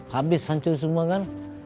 habis hancur semua kan